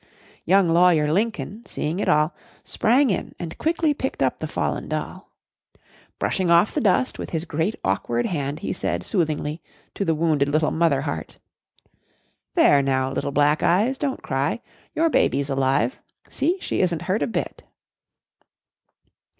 Young Lawyer Lincoln, seeing it all, sprang in and quickly picked up the fallen doll. Brushing off the dust with his great awkward hand he said, soothingly, to the wounded little mother heart: "There now, little Black Eyes, don't cry. Your baby's alive. See, she isn't hurt a bit!"